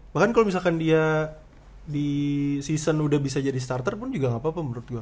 bahkan kalau misalkan dia di season udah bisa jadi starter pun juga gak apa apa menurut gue